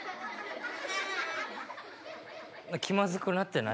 何か気まずくなってない？